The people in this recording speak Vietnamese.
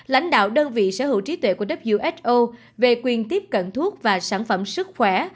lãnh đạo đơn vị sở hữu trí tuệ của who về quyền tiếp cận thuốc và sản phẩm sức khỏe